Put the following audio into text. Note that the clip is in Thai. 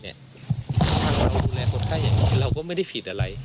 ทางเราดูแลคนไข้อย่างนี้เราก็ไม่ได้ผิดอะไร